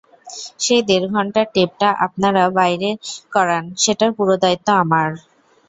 সেই দেড় ঘণ্টার টেপটা আপনারা বাইর করান, সেটার পুরো দায়িত্ব আমার।